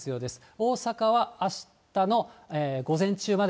大阪はあしたの午前中まで。